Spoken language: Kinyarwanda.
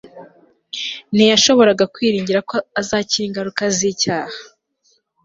ntiyashoboraga kwiringira ko azakira ingaruka z'icyaha